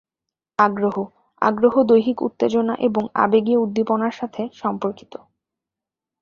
আগ্রহ: আগ্রহ দৈহিক উত্তেজনা এবং আবেগীয় উদ্দীপনার সাথে সম্পর্কিত।